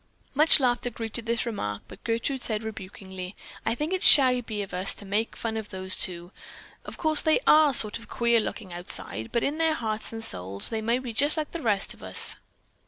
Much laughter greeted this remark, but Gertrude said rebukingly: "I think it's shabby of us to make fun of those two. Of course they are sort of queer looking outside, but in their hearts and souls they may be just like the rest of us."